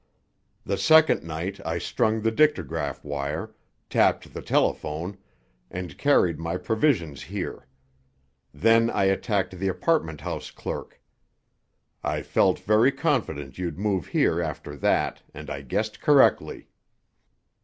"The second night I strung the dictograph wire, tapped the telephone, and carried my provisions here. Then I attacked the apartment house clerk. I felt very confident you'd move here after that, and I guessed correctly.